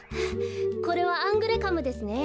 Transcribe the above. これはアングレカムですね。